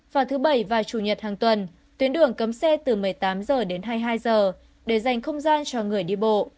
vào thứ bảy và chủ nhật hàng tuần tuyến đường cấm xe từ một mươi tám h đến hai mươi hai h để dành không gian cho người đi bộ